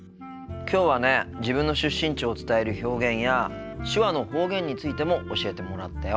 きょうはね自分の出身地を伝える表現や手話の方言についても教えてもらったよ。